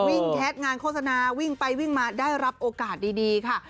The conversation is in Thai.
แคทงานโฆษณาวิ่งไปวิ่งมาได้รับโอกาสดีค่ะ